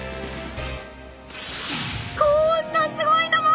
こんなすごいのも！